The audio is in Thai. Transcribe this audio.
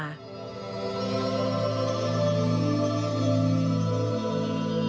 โดยรับทราบโดยรับทราบ